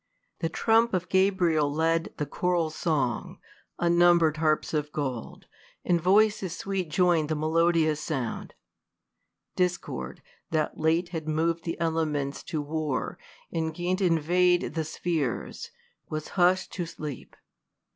The trump of Gabriel led The 256 THE COLUMBIAN ORATOR. The choral song : unnumber'd harps of gold, And voices sweet join'd the melodious sounds Discord, that late had mov'd the elements To war, and 'gan t' invade the spheres. Was hush'd to sleep.